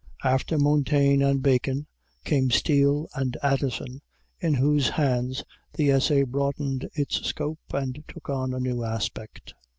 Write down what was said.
After Montaigne and Bacon came Steele and Addison, in whose hands the essay broadened its scope and took on a new aspect.